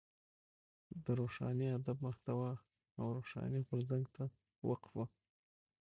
د روښاني ادب محتوا و روښاني غورځنګ ته وقف وه.